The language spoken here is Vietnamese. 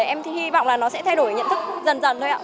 em thì hy vọng là nó sẽ thay đổi nhận thức dần dần thôi ạ